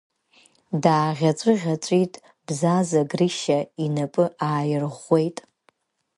Дааӷьаҵәыӷьаҵәит Бзаза, Грышьа инапгьы ааирӷәӷәеит.